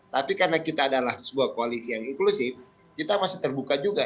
tapi karena kita adalah sebuah koalisi yang inklusif kita masih terbuka juga